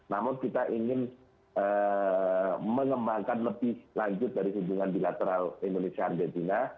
namun kita ingin mengembangkan lebih lanjut dari hubungan bilateral indonesia argentina